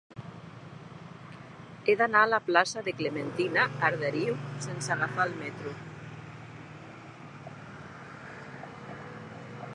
He d'anar a la plaça de Clementina Arderiu sense agafar el metro.